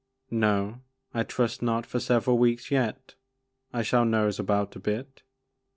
" No, I trust not for several weeks yet. I shall nose about a bit.